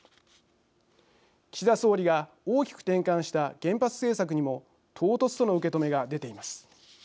岸田総理が大きく転換した原発政策にも唐突との受け止めが出ています。